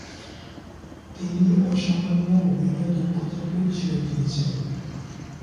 তিনি অসামান্য অভিনয় দক্ষতার পরিচয় দিয়েছেন।